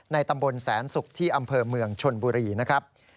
ตำบลแสนศุกร์ที่อำเภอเมืองชนบุรีนะครับ